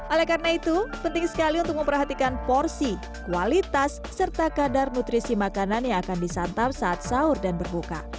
oleh karena itu penting sekali untuk memperhatikan porsi kualitas serta kadar nutrisi makanan yang akan disantap saat sahur dan berbuka